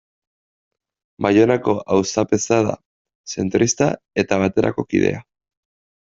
Baionako auzapeza da, zentrista eta Baterako kidea.